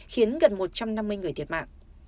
khiến gần một trăm năm mươi người thiệt mạng